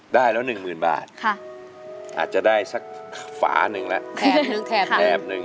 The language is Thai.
ค่ะอาจจะได้สักฝาหนึ่งละแทบหนึ่งแถบนึง